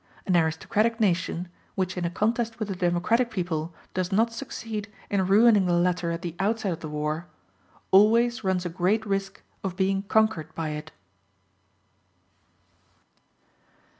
An aristocratic nation, which in a contest with a democratic people does not succeed in ruining the latter at the outset of the war, always runs a great risk of being conquered by it.